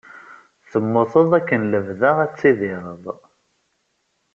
Temmuteḍ akken lebda ad tidireḍ.